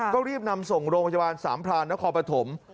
ก็รีบนำส่งโรงพยาบาลสามพรานนครปฐม